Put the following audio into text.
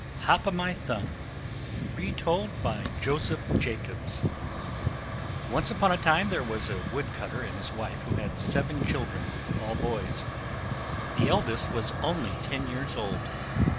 HOP O' MY THUMB Retold by Joseph Jacobs Once upon a time there was a Wood cutter and his wife who had seven children, all boys. The eldest was only ten years old.